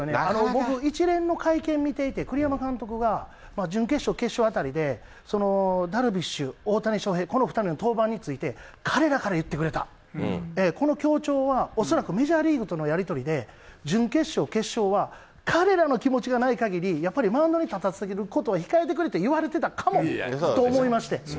僕、一連の会見見ていて、栗山監督が、準決勝、決勝あたりで、ダルビッシュ、大谷翔平、この２人の登板について、彼らから言ってくれた、この強調は、恐らくメジャーリーグとのやり取りで準決勝、決勝は彼らの気持ちがないかぎり、やっぱりマウンドに立たせることを控えてくれって言われてたかもと思いまして。